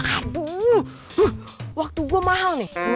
aduh waktu gue mahal nih